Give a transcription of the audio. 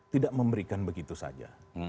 tidak memberikan begitu saja